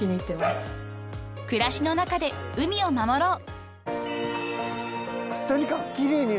［暮らしの中で海を守ろう］